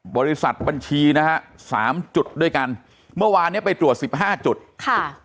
บริษัทบัญชีนะฮะสามจุดด้วยกันเมื่อวานเนี้ยไปตรวจสิบห้าจุดค่ะ